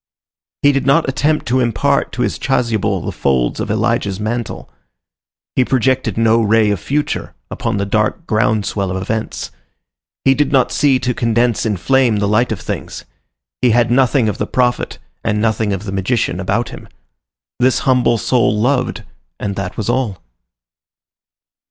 He did not attempt to impart to his chasuble the folds of Elijah's mantle; he projected no ray of future upon the dark groundswell of events; he did not see to condense in flame the light of things; he had nothing of the prophet and nothing of the magician about him. This humble soul loved, and that was all.